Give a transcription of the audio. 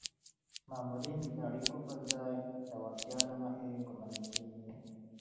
مامورین د اړیکو پر ځای د وړتیا له مخې ګمارل کیږي.